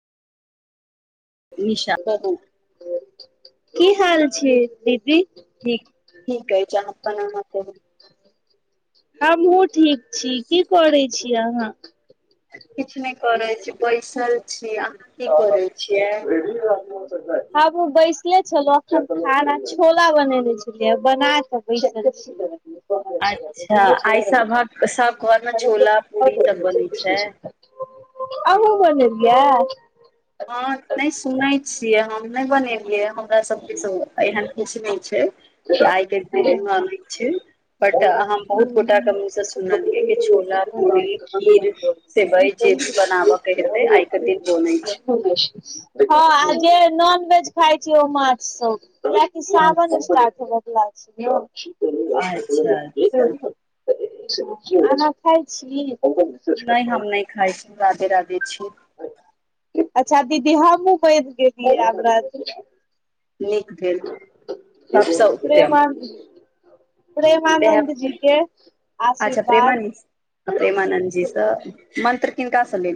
निशा क-कौ की हाल छियै दीदी? ठीक, ठीक ऐछ अहाँ अप्पन हाल कहु। हमहुँ ठीक छी, की करै छी अहाँ? किछ नै करै छी, बैसल छी, अहाँ की करै छियै? हमहुँ बैसले छलौं, खाना छोला बनेेने छलियैए बना क बैसल चैल एबै। अच्छा आइ सभक सभ घरमे छोला [inaudible] पूरी सब बनै कुछ नै छै। अहूं बनेलिया? हँ नै सुनै छियै हम नै बनेलियैए, हमरा सबके त एहन किछ नै छै। कि आइ कैल के मालिक छै। बट, हम बहुत गोटा क मुँह से सुनलियै कि छोला, पूरी, खीर सेवई जे भी बनाबऽ के हेतै, आइ के दिन बनै छै। हँ आ ओ जे नॉनवेज खाइ छी, ओ माछ सव। कि सावन अच्छा स्टार्ट हुवऽ बला छै। अच्छा-अच्छा खाना खाइ छी? नै हम नै खाइ छी, राधे-राधे छी। अच्छा दीदी हमहुँ बैन गेलियै आब राधे-राधे। नीक- भेल उ [inaudible] ट्रे बान्धी। उएह प्रेमानन्द जी के आशीर्वाद। [unintelligible] आ प्रेमनन्दजी स मन्त्र किनका सँ लेल?